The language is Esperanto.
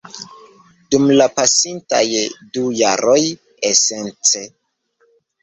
Dum la pasintaj du jaroj, esence